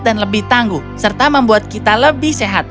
dan lebih tangguh serta membuat kita lebih sehat